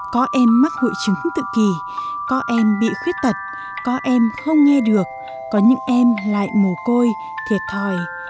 có em mắc hội chứng tự kỷ có em bị khuyết tật có em không nghe được có những em lại mồ côi thiệt thòi